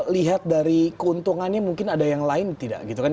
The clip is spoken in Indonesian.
lihat dari keuntungannya mungkin ada yang lain tidak gitu kan